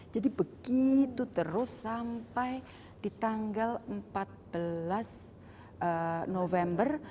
jadi begitu terus sampai di tanggal empat belas november